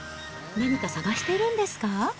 何か探しているんですか。